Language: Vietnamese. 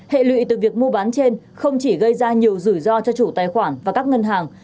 hệ lụy từ việc mua bán trên không chỉ gây ra nhiều rủi ro cho chủ tài khoản và các ngân hàng